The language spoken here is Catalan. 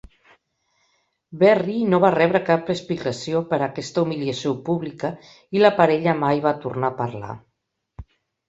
Berry no va rebre cap explicació per a aquesta humiliació pública i la parella mai va tornar a parlar.